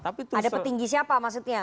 ada petinggi siapa maksudnya